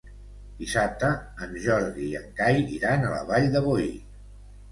Dissabte en Jordi i en Cai iran a la Vall de Boí.